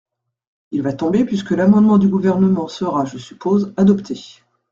Il va tomber puisque l’amendement du Gouvernement sera, je suppose, adopté.